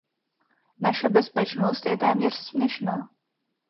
Naše bezpečnost je téměř směšná.